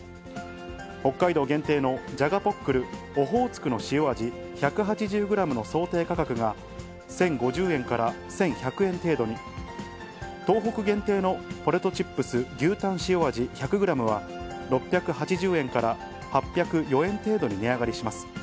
北海道限定のじゃがポックルオホーツクの塩味１８０グラムの想定価格が、１０５０円から１１００円程度に、東北限定のポテトチップス牛たんしお味１００グラムは、６８０円から８０４円程度に値上がりします。